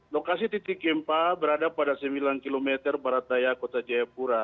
lokasi titik gempa berada pada sembilan km barat daya kota jayapura